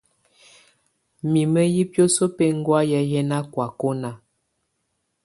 Mimǝ yɛ̀ biǝ́suǝ́ bɛ̀ŋgɔ̀áyɛ̀ yɛ nà kɔ̀ákɔna.